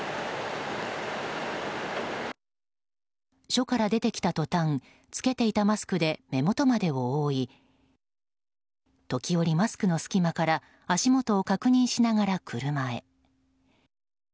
署から出てきた途端着けていたマスクで目元までを覆い時折、マスクの隙間から足元を確認しながら車へ。